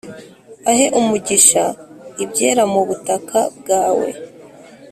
ahe umugisha ibyera mu butaka bwawe,